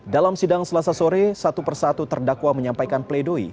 dalam sidang selasa sore satu persatu terdakwa menyampaikan pledoi